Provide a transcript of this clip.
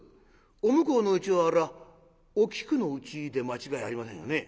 「お向こうのうちはあらお菊のうちで間違いありませんよね？」。